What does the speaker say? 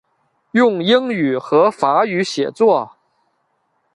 用英语和法语写作。